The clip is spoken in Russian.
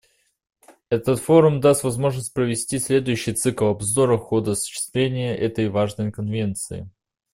Этот форум даст возможность провести следующий цикл обзора хода осуществления этой важной Конвенции.